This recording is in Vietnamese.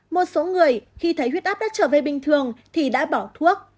một số người khi thấy huyết áp đã trở về bình thường thì đã bỏ thuốc